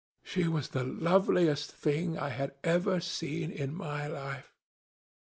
She was the loveliest thing I had ever seen in my life.